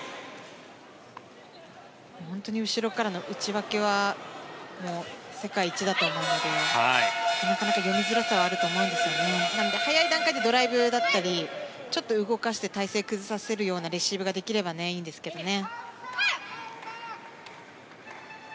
本当に後ろからの打ち分けは世界一だと思うのでなかなか読みづらさはあると思うんですがなので、早い段階でドライブだったりちょっと動かせて体勢を崩させるようなレシーブができればいいんですけどね。